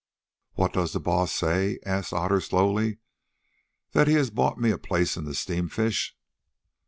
"What does the Baas say?" asked Otter slowly; "that he has bought me a place in the Steam fish?"